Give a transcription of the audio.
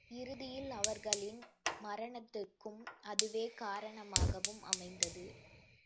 இறுதியில் அவர்களின் மரணத்துக்கும், அதுவே காரணமாகவும் அமைந்தது.